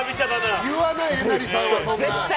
言わないよ、えなりさんは絶対。